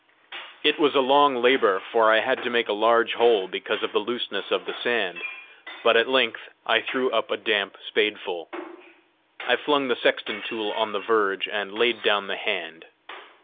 It was a long labour, for I had to make a large hole because of the looseness of the sand; but at length I threw up a damp spadeful. I flung the sexton tool on the verge, and laid down the hand.